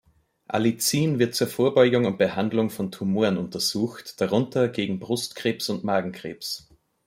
Allicin wird zur Vorbeugung und Behandlung von Tumoren untersucht, darunter gegen Brustkrebs und Magenkrebs.